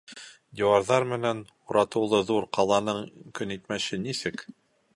— Диуарҙар менән уратыулы ҙур ҡаланың көнитмеше нисек?